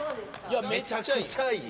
めちゃくちゃいい！